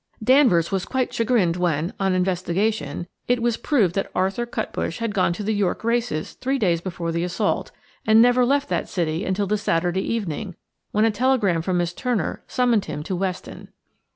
Danvers was quite chagrined when, on investigation, it was proved that Arthur Cutbush had gone to the York races three days before the assault, and never left that city until the Saturday evening, when a telegram from Miss Turner summoned him to Weston.